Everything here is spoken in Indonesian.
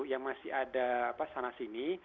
yang masih ada sana sini